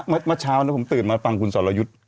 เมื่อเช้านี้ผมตื่นมาฟังคุณสรยุทธ์